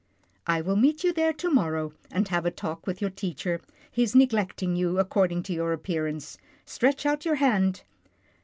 " I will meet you there to morrow, and have a talk with your teacher. He's neglecting you, ac cording to your appearance. Stretch out your hand."